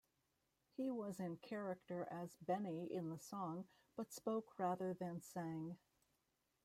He was in character as Benny in the song, but spoke rather than sang.